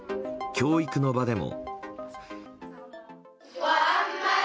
教育の場でも。